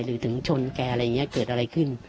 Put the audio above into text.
ถึงชนแกอะไรอย่างนี้เกิดอะไรขึ้น